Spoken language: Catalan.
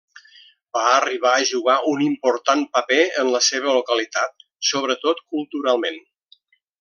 Va arribar a jugar un important paper en la seva localitat, sobretot culturalment.